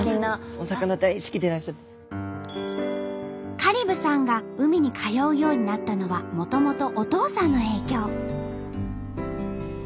香里武さんが海に通うようになったのはもともとお父さんの影響。